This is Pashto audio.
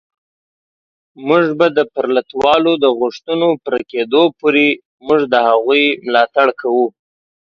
موږ به د پرلتوالو د غوښتنو پوره کېدو پورې موږ د هغوی ملاتړ کوو